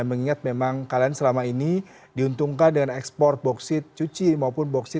saya mengingat memang kalian selama ini diuntungkan dengan ekspor boksit cuci